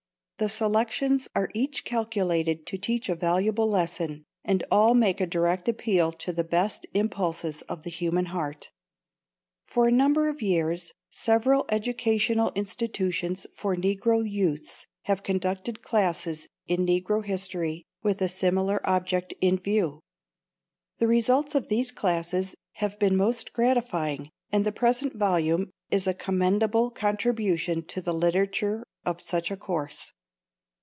The selections are each calculated to teach a valuable lesson, and all make a direct appeal to the best impulses of the human heart. For a number of years several educational institutions for Negro youths have conducted classes in Negro history with a similar object in view. The results of these classes have been most gratifying and the present volume is a commendable contribution to the literature of such a course.